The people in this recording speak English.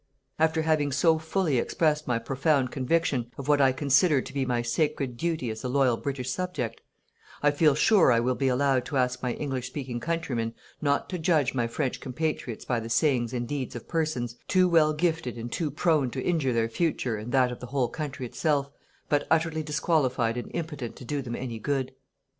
After having so fully expressed my profound conviction of what I consider to be my sacred duty as a loyal British subject, I feel sure I will be allowed to ask my English speaking countrymen not to judge my French compatriots by the sayings and deeds of persons, too well gifted and too prone to injure their future and that of the whole country itself, but utterly disqualified and impotent to do them any good.